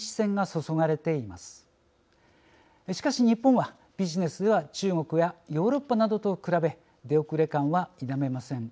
しかし日本はビジネスでは中国やヨーロッパなどと比べ出遅れ感は否めません。